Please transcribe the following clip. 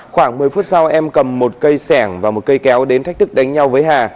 khoảng một mươi phút sau em cầm một cây sẻng và một cây kéo đến thách thức đánh nhau với hà